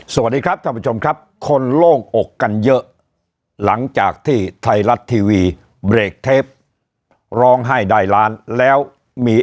สวัสดีครับท่านผู้ชมครับคนโล่งอกกันเยอะหลังจากที่ไทยรัฐทีวีเบรกเทปร้องไห้ได้ล้านแล้วมี